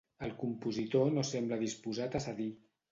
El compositor no sembla disposat a cedir.